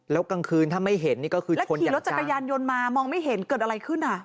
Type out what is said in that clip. แล้วกลางคืนถ้าไม่เห็นนี่ก็คือคนขี่รถจักรยานยนต์มามองไม่เห็นเกิดอะไรขึ้นอ่ะ